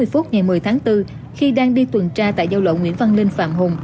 hai mươi một h bốn mươi ngày một mươi tháng bốn khi đang đi tuần tra tại giao lộ nguyễn văn linh phạm hùng